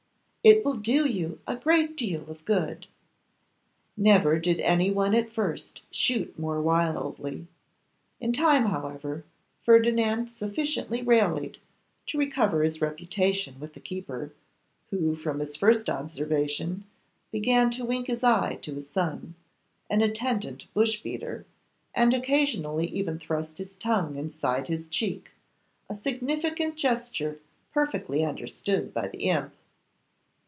'It will do you a great deal of good.' Never did anyone at first shoot more wildly. In time, however, Ferdinand sufficiently rallied to recover his reputation with the keeper, who, from his first observation, began to wink his eye to his son, an attendant bush beater, and occasionally even thrust his tongue inside his cheek, a significant gesture perfectly understood by the imp.